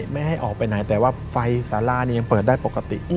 ไม่ให้ออกไปไหนแต่ว่าไฟสาราเนี่ยยังเปิดได้ปกติ